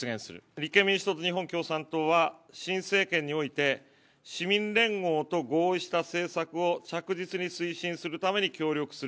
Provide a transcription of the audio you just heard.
立憲民主党と日本共産党は新政権において、市民連合と合意した政策を着実に推進するために協力する。